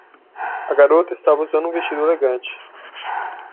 A garota estava usando um vestido elegante.